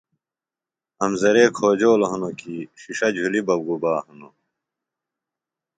امزرے کھوجولوۡ ہنوۡ کیۡ ݜِݜہ جُھلیۡ بہ گُبا ہنوۡ